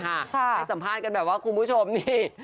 ให้สัมภาษณ์กันแบบว่าคุณผู้ชมนี่